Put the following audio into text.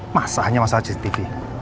masa hanya masalah cctv